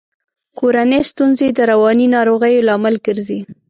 کورنۍ ستونزي د رواني ناروغیو لامل ګرزي.